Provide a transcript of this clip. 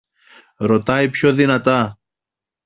Ρωτάει πιο δυνατά